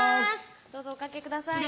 どうぞおかけください